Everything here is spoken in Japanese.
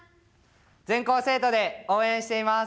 全校生徒で応援しています。